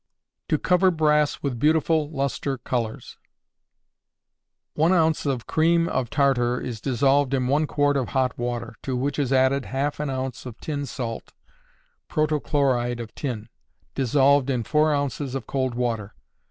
To Cover Brass with beautiful Luster Colors. One ounce of cream of tartar is dissolved in one quart of hot water, to which is added half an ounce of tin salt (protochloride of tin) dissolved in four ounces of cold water.